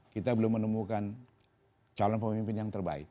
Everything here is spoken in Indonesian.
kita belum menemukan calon pemimpin yang terbaik